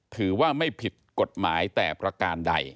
ถือว่าไม่ผิดกฎหมายแต่ประการใด